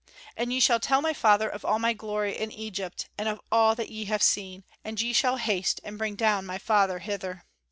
And ye shall tell my father of all my glory in Egypt, and of all that ye have seen; and ye shall haste, and bring down my father hither."